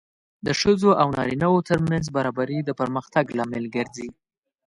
د ښځو او نارینه وو ترمنځ برابري د پرمختګ لامل ګرځي.